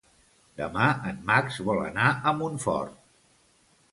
Demà en Max vol anar a Montfort.